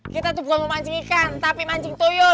kita tuh bukan mau mancing ikan tapi mancing tuyul